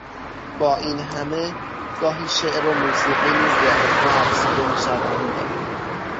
با این همه گاهی شعر و موسیقی نیز به آنها افزوده میشوند